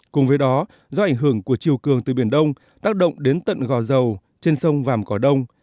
cùng với đó do ảnh hưởng của chiều cường từ biển đông tác động đến tận gò dầu trên sông vàm cỏ đông